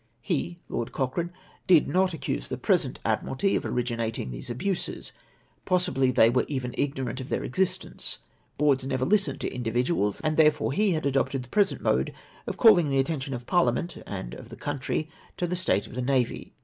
" He (Lord Cochrane) did not accuse the present Admiralty of originating these abuses ; possibly they were even ignorant of their existence. Boards never listen to indivichials, and therefore he had adopted the present mode of calling the attention of parliament and of the country to the state of the navy.